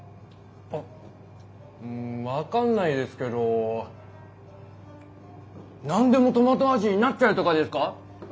あっうん分かんないですけど何でもトマト味になっちゃうとかですか？